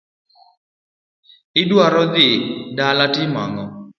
Idwaro dhi dala timo ang'o.